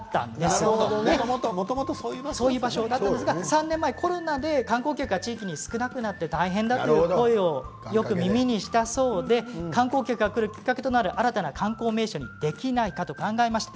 ３年前、コロナで観光客が少なくなって大変だという話をよく耳にしたそうで観光客が来るきっかけとなる新たな観光名所にできないかと考えました。